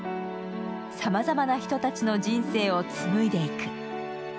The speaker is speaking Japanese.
さまざまな人たちの人生を紡いでいく。